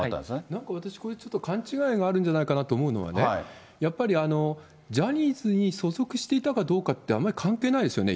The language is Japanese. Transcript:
なんか私これ、勘違いがあるんじゃないかなと思うのはね、やっぱりジャニーズに所属していたかどうかって、あまり関係ないですよね。